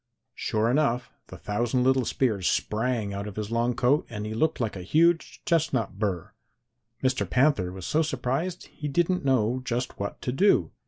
Sure enough, the thousand little spears sprang out of his long coat, and he looked like a huge chestnut burr. "Mr. Panther was so surprised he didn't know just what to do.